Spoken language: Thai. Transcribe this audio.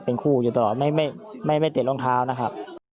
เป็นคู่อยู่ตลอดไม่ไม่ไม่ไม่ติดรองเท้านะครับ